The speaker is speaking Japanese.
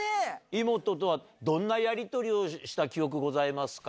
イモトとはどんなやりとりをした記憶ございますか？